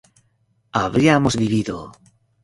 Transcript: habríamos vivido